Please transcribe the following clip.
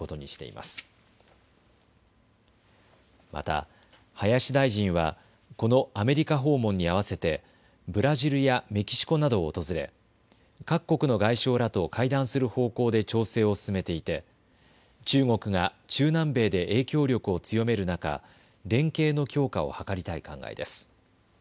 また林大臣はこのアメリカ訪問に合わせてブラジルやメキシコなどを訪れ各国の外相らと会談する方向で調整を進めていて中国が中南米で影響力を強める中、連携の強化を図りたい考えです。